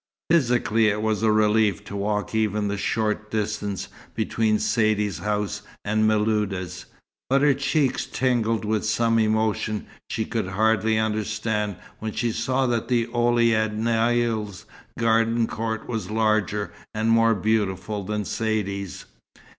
Physically it was a relief to walk even the short distance between Saidee's house and Miluda's; but her cheeks tingled with some emotion she could hardly understand when she saw that the Ouled Naïl's garden court was larger and more beautiful than Saidee's.